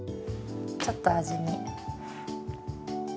ちょっと味見。